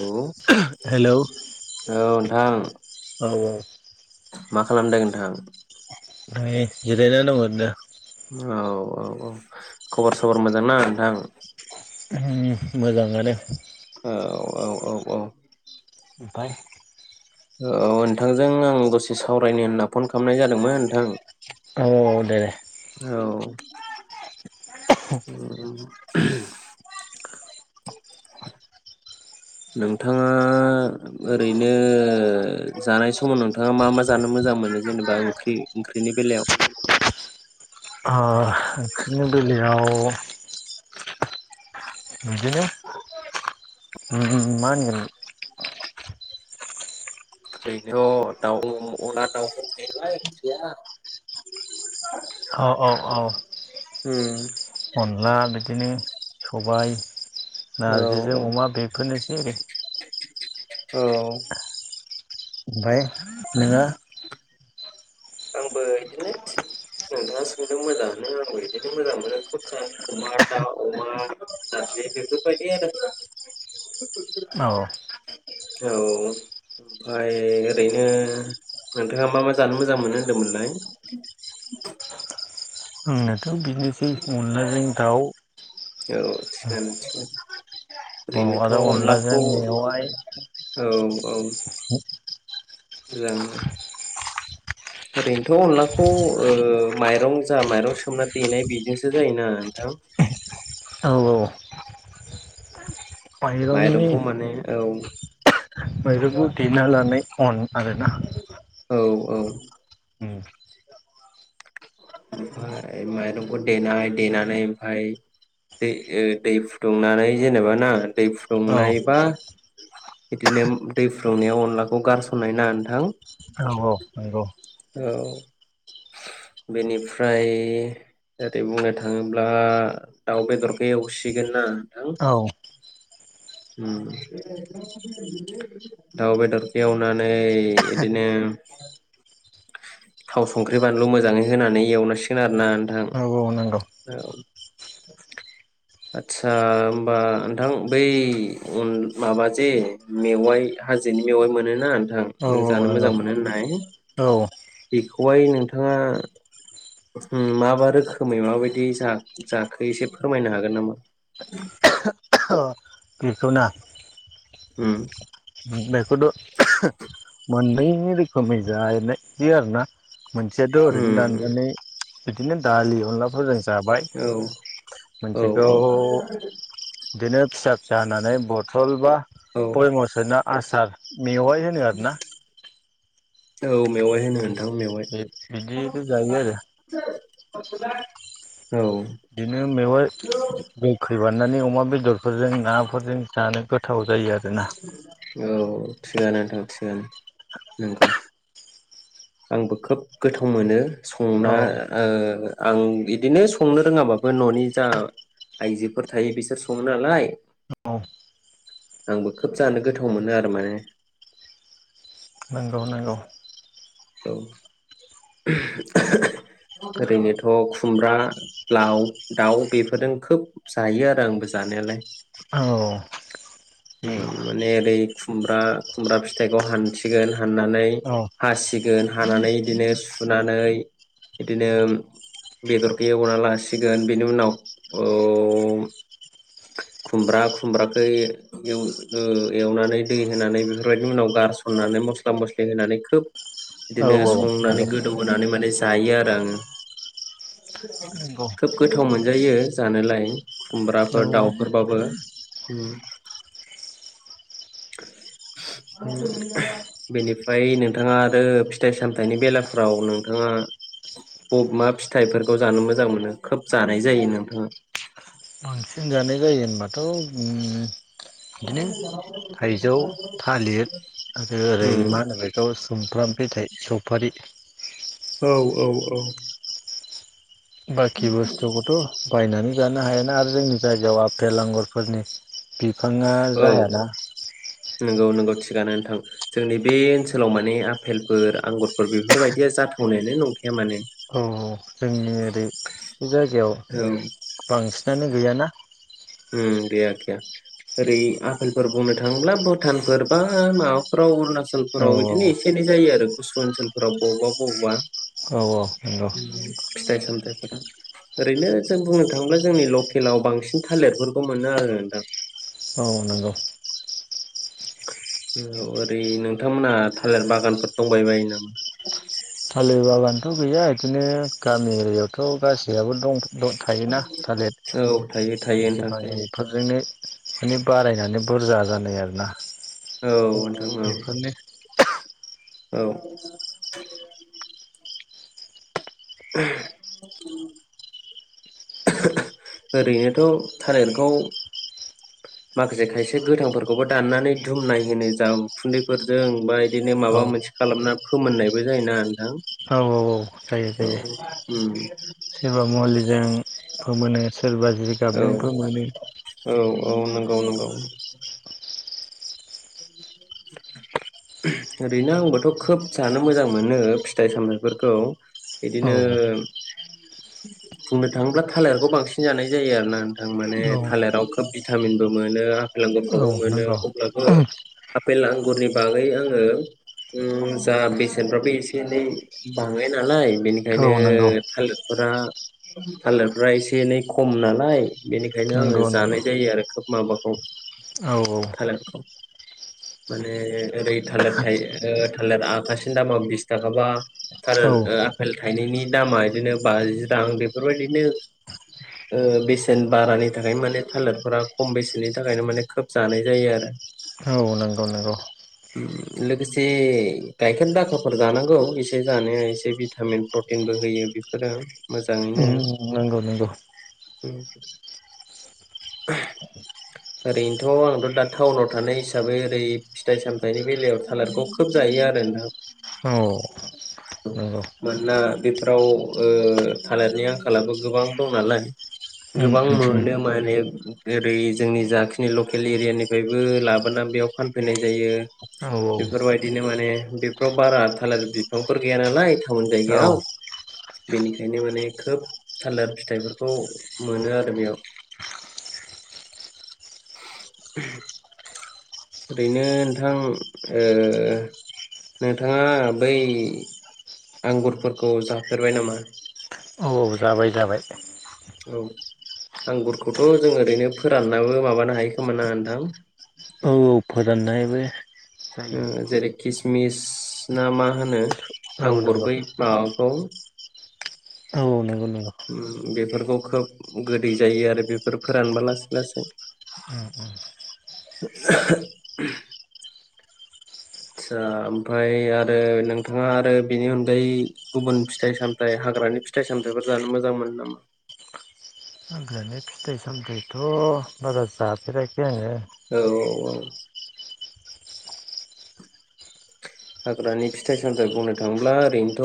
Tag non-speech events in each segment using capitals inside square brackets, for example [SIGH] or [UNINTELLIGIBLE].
औ हेलौ नोंथां औ औ। मा खालामदों नोंथां। ओमफ्राय जिरायनानै दंङ ओरैनो। औ औ औ खबर सबर मोजां ना नोंथां? मोजाङानो। औ औ औ औ औ। ओफफ्राय औ नोंथांजों आं दसे सावरायनो होनना फन खालामनाय जादोंमोन नोंथां। औ औ दे दे। औ [INAUDIBLE] नोंथाङा ओरैनो जानाय समाव नोंथाङा मा मा जानो मोजां मोनो जेनेबा ओंख्रि ओंख्रिनि बेलायाव? ओ ओंख्रिनि बेलायाव बिदिनो ओ उम मा होनगोन ओरैनोथ दाउ अनला दाउ थायो नालाय ओंख्रिया। औ औ औ उम अन ला बिदिनो सबाय औ नारजिजों अमा बेफोरनो [UNINTELLIGIBLE] औ। ओमफ्राय नोङो आंबो इदिनो नोंथाङा सोंदों मोजाङानो आंबो बिदिनो मोजां मोनो खुरजानि अमा दाउ अमा नारजि बेफोरबायदि आरो। औ। औ ओमफ्राय ओरैनो नोंथाङा मा मा जानो मोजां मोनो होनदोंमोनलाय। ओ नोंथा थां बिदिनोसै अनलाजों दाउ औ थिगानो थिगानो अ ओरैनोथ' आरो अनलाजों अनलाखौ मेवाय जानो ओरैनोथ अनलाखौ ओ माइरं जा माइरं सोमना देनाय बिजोंसो जायोना नोंथां औ औ माइरंनि माइरंखौ माने औ मायरंखौ देना लानाय अन आरोना औ औ ओमफ्राय माइरंखौ देनाय देनानै ओमफाय दै दै फुदुंनानै जेनेबा ना दै औ फुंनाय बा बिदिनो दै फुंनायाव अनलाखौ गारसननाय ना नोंथां औ औ नंगौ औ बेनिफ्राय ओरै बुंनो थाङोब्ला दाउ बेदरखौ एवसिगोन ना औ दाउ बेदरखौ एवनानै बिदिनो थाव संख्रि बानलु मोजाङै होनानै एवनांसिगोन आरो ना नोंथां औ औ नंगौ औ आथ्सा होमबा नोंथां बै माबा जे मेवाइ हाजोनि मेवाइ मोन ना नोंथां औ नों औ जानो नंगौ मोजां मोनो होननाय औ बेखौहाय नोंथाङा माबा रोखोमै माबायदि जाखो एसे फोरमायनो हागोन नामा बेखौना होम बे रोखोमै जानाय जायो आरो ना मोनसेयाथ ओरैनो उम उम दाननानै बिदिनो दालि अनलाफोर जायो जाबाय औ औ मोनसेखौ औ बिदिनो फिसा फिसा होनानै बथल बा औ भयामाव सोना आसार मेवाइ होनो आरोना औ मेवाइ होनो औ नोंथां मेवाइ बे बिदिनो जायो आरो [UNINTELLIGIBLE] बिदिनो मेवाय गोखैबा नानै अमा बेदरफोरजों नाफोरजों जानो गोथाव जायो आरो औ थिगानो नोंथां थिगानो नंगौ आंबो खोब गोथाव मोनो संना औ ओ आं बेइदिनो संनो रोङाबाबो ननि जा आइजोफोर थायो बिसोर सङो नालाय औ आंबो खोब जानो गोथाव मोनो आरो माने नंगौ-नंगौ औ ओरैनोथ खुमब्रा लाव दाउ बेफोरजों खोब जायो आरो आंबो जानायालाय औ ओम नंगौ माने ओरै खुमब्रा खुमब्रा फिथाइखौ हानथिगोन हाननानै औ हासि गोन हानानै इदिनो सुनानै इदिनो बेदरखौ एवना लासिगोन बेनि उनाव औ खुमब्रा खुमब्राखो एव ओ एवनानै दै होनानै बेफोरबायदिनि उनाव गारसननानै मस्ला मस्लि होनानै खोब औ इदिनो औ संनानै गोदौ होनानै माने जायो आरो आं नंगौ खोब गोथाव मोनायो जानोलाय औ खुमब्राफोर दाउफोरबाबो ओम [INAUDIBLE] बेनिफ्राय नोंथाङा आरो फि थाइ सामथायाइनि बेलाफ्राव नोंथाङा बब मा फिथाइफोरखौ जानो मोजां मोनो खोब जानाय जायो नोंथाङा? होनजानाय जायो होनबाथ उम इदिनो थाइजौ थालिर आरो ओरै उम मा होनो बेखौ सुमफ्राम फिथाय खौ फारि औ औ औ। बाखि बुस्थुखौथ बायनानै जानो हायोना आरो जोंनि जायगायाव आफेल आंगुरफोरनि बिफाङा औ जायाना नंगौ नोंगौ थिगानो नोंथां जोंनि बे ओनसोलाव माने आफेलफोर आंगुरफोर बेफोरबायदिया जाथावनायानो नंखा औ जोंनि ओरै जायगायाव औ बांसिन आनो गैयाना? ओम गैया गैया ओरै आफेलफोर बुंनो थाङोब्ला भुटानफोर बा माबाफ्राव अुरुणा औ सलफोराव इदिनो एसे एनै जायो आरो गुसु ओनसोलफोराव बबावबा बबावबा औ औ नंगौ। [UNINTELLIGIBLE] ओरैनो जों बुंनो थाङोब्ला जोंनि लकेलाव बांसिन थालिरफोरखौ मोनो आरो नोंथां औ नोंगौ औ ओरै नोंथांमोनहा थालिर बागानफोर दंबाय बायो नामा? थालिर बागानथ गैया बिदिनो गामि एरियायावथ गासैयाबबो दं? द‌ थायोना थालिर औ थायो थायो फांसे नोंथां फांनै थायो बेफोरजोंनो बेफोरनो बारायनानै बुरजा जानाय आरो। ना औ नोंथां औ। औ। [UNINTELLIGIBLE] [UNINTELLIGIBLE] ओरैनोथ थालिरखौ माखासे खायसे गोथांफोरखौबो दाननानै दुमनाय होनो जा उखुन्दैफोरजों बाय बिदिनो औ माबा मोनसे खालामना फोमोननायबो जायोना नोंथां औ औ औ जायो औ जायो उम सोरबा मुलिजों फोमोनो। सोरबा औ जिगाबजों फोमोनो औ औ नोंगौ नोंगौ। ओरैनो आंबोथ खोब जानो मोजां मोनो फिथाइ सामथायफोरखौ औ बिदिनो बुंनो थांङोब्ला थालेरखौ बांसिन जानाय जायो आरो ना आं माने औ थालेराव खोब बि भिटामिनबो मोनो फेल औ आंगुरफ्रावबो मोनो नंगौ अब्लाबो आफेल आंगुरनि बागै आंङो उम जा बेसेनफ्राबो एसे एनै बाङाय नालाय औ बेनिखायनो नंगौ थालिरफोरा थालेरफ्रा एसे एनै खम नालाय बेनिखायनो आंङो नंगौ जानाय नंगौ जायो आरो खोब माबा औ। औ औ। माने ओरै थालेद थायोद थालिर आखासेनि दामा बिसथागाबा औ थारेल ओ आफेल थाइनैनि दामा इदिनो बाजि रां बेफोरबायदिनो ओ बेसेन बारानि थाखायनो माने थालिरफोरा खम बेसेननि थाखायनो माने खोब जानाय जायो आरो। औ नोंगौ नोंगौ। उम लोगोसे गायखेर दाखाफोर जानांगौ एसे जानाया एसे भिटामिन प्रटिनबो होयो बेफोरो उम नोंगौ नोंगौ। उम ओरैनोथ' आंथ' दा टाउनाव थानाय हिसा साबै ओरै फिथाइ सामथायाइनि बेलायाव थालेरखौ खोब जायो आरो नोंथां। औ नोंगौ मानोना बेफोराव ओ थालेरनि आंखालाबो गोबां दं नालाय उम गोबां उम उम मोनो माने ओरै जोंनि जाखिनि लकेल एरिया निफ्रायबो लाब बोना बेयाव फानफैनाय जायो। औ बेफोरबायदिनो माने बेफोराव बारा थालेर बिफांफोर गैया नालाय टाउन औ जायगायाव बेनिखायनो माने खोब थालेर फिथाइफोरखौ मोनो आरो बेयाव। ओरैनो नोंथां ओ नोंथाङा बै आंगुरफोरखौ जाफेरबाय नामा? औ औ जाबाय जाबाय। औ आंगुरखौथ' जों ओरैनो फोराननाबो माबानो हायो खोमा ओनथां? औ फोराननायबो। जायो। ओ जेरै खिस मिस ना मा होनो औ आंगुर नंगौ बै माबाखौ औ नोंगौ नोंगौ। उम बेफोरखौ खोब गोदै जायो आरो बेफोर फोरानबा लासै लासै उम उम। [INAUDIBLE] आदसा ओमफाय आरो नोंथाङा आरो बेनि अनगायै गुबुन फिथाइ सामथाइ हाग्रानि फिथाइ सामथाइफोर जानो मोजां मोनो नामा? हाग्रानि फिथाइ सामथायथ बारा जाफेराखै आङो औ हाग्रानि फिथाइ सामथाइ बुंनो थाङोब्ला ओरैनोथ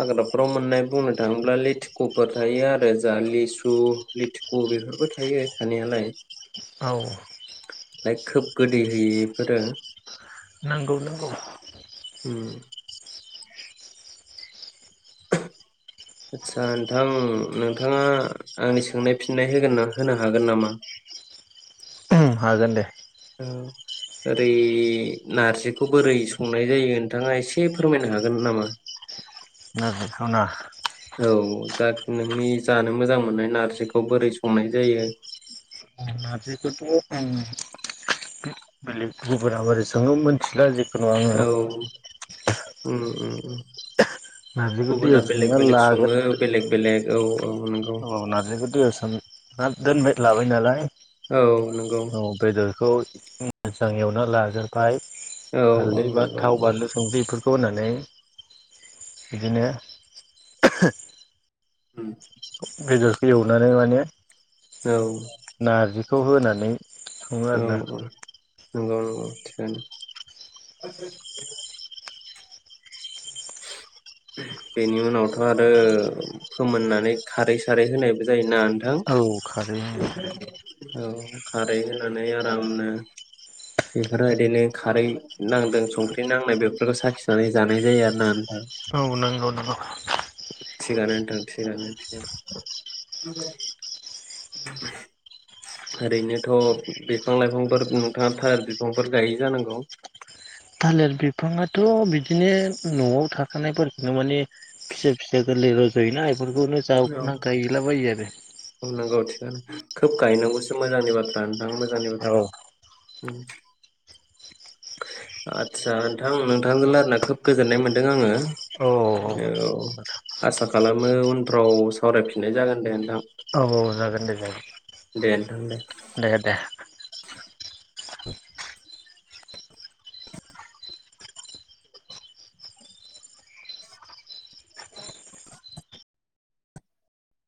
हाग्राफोराव मोननाय बुंनो थाङोब्ला लेथिखुफोर थायो आरो जा लिसु लेथिखु बेफोरबो थायो थानायालाय। औ। बाय खोब गोदै होयो एफोरो नोंगौ नोंगौ। उम। आदसा नोंथां नोंथाङा आंनि सोंनाय फिननाय होगोन ना होनो हागोन नामा? ओं हागोन दे। ओ ओरै नारजिखौ बोरै संनाय जायो नोंथाङा एसे फोरमायनो हागोन नामा? नारजिखोना? औ जा नोंनि जानो मोजां मोननाय नारजिखौ बोरै संनाय जायो? नारजिखौथ आं बेलेग गुबुराब [UNINTELLIGIBLE] मोनथिला जे औ [UNINTELLIGIBLE] उम उम उम। नारजिखो गुबुना दैयाव बेलेग सोमना बेलेग सङो लागोद दो बेलेग बेलेग औ। औ नंगौ औ नारजिखौ दैयाव सोम ओन दोनबाय लाबाय। होनालाय औ नंगौ। औ ओम मोजां एवना लाग्रोबाय। औ औ हाल्दै बा नंगौ थाव नंगौ बानलु संख्रै [UNINTELLIGIBLE] खौ होनानै बिदिनो ओम। बेदरखौ एवनानै माने औ नार्जि। खौ होनानै। सङो औ आरोना। औ। नंगौ नंगौ थिगानो। बेनि उनावथ आरो फोमोननानै खारै सारै होनायबो जायोना। नोंथां औ खारै ओं खारै औ खारै होनानै आरामनो बेफोरो बिदिनो खारै नांदों संख्रि नांनाय बेफोरखौ साखिनानै जानाय जायो आरो [UNINTELLIGIBLE] औ नंगौ नंगौ थिगानो नोंथां थिगानो थिगानो ओरैनोथ बिफां लाइफांफोर नोंथाङा थार बिफांफोर गायो जानांगौ थालिर बिफाङाथ' बिदिनो नआव थाखानायफोरखौनो माने फिसा फिसा गोरलै रजयोना बेफोरखौनो औ जावखुना गायलाबायो आरो थिखांनो खोब गायनांगौसो मोजांनि बाथ्रानो ओं मोजांनि बाथ्रा आरो। आदसा नोंथां नोंथांजों लायरायना खोब गोजोननाय मोनदों आङो औ औ आसा खालामो उन फ्राव सावरायफिननाय जागोन दे नोंथां औ औ जागोन दे जागोन दे नोंथां दे दे दे [INAUDIBLE]